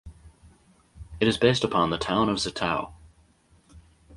It is based upon the town of Zittau.